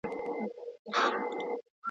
هیوادنۍ